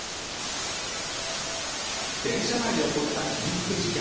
電車内で起こった切りつけ事件。